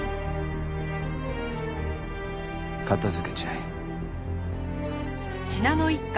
片付けちゃえ。